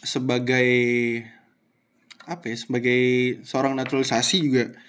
sebagai seorang naturalisasi juga